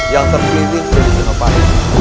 yang terpilih sebagai senopat